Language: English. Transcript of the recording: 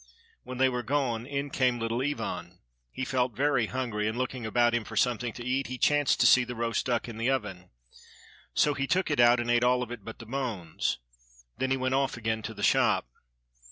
While they were gone in came little Ivan. He felt very hungry, and, looking about him for something to eat, he chanced to see the roast duck in the oven, so he took it out and ate all of it but the bones. Then he went off again to the shop.